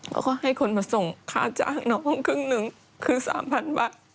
เขาก็ให้คนมาส่งค่าจ้างน้องครึ่งหนึ่งครึ่ง๓๐๐บาท